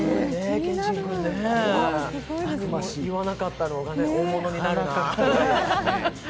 言わなかったのが、大物になるなあって。